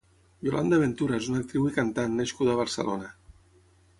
Yolanda Ventura és una actriu i cantant nascuda a Barcelona.